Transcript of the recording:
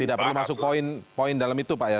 tidak perlu masuk poin poin dalam itu pak ya